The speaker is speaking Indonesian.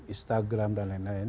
instagram dan lain lain